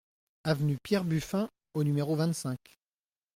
Avenue Pierre Buffin au numéro vingt-cinq